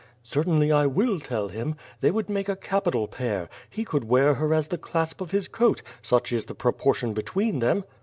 "Certainly I will tell him. They would make a capital pair. He could wear her as the clasp of his coat, such is the proportion between them."